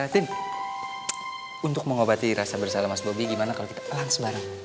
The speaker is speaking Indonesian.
tin untuk mengobati rasa bersalah mas bobi gimana kalau kita olahan semarang